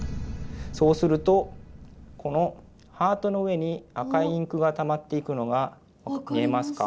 そうするとこのハートの上に赤いインクがたまっていくのが見えますか？